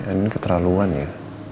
ini keterlaluan ya